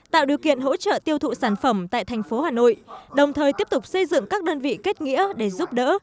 tạo điều kiện hỗ trợ tiêu thụ sản phẩm tại thành phố hà nội đồng thời tiếp tục xây dựng các đơn vị kết nghĩa để giúp đỡ